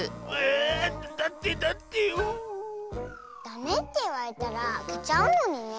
ダメっていわれたらあけちゃうのにね。